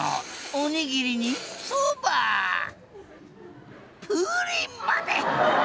お握りにそばプリンまで。